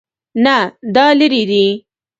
نه، دا لیرې دی